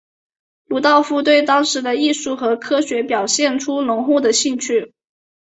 鲁道夫对当时的艺术和科学表现出浓厚的兴趣。